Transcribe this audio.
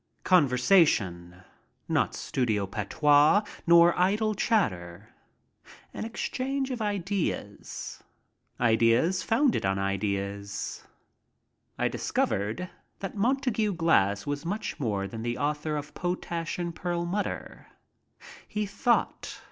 Conversation, not studio patois nor idle chatter. An exchange of ideas — ideas founded on ideas. I discovered that Montague Glass was much more than the author of Potash and Perlmutter. He thought.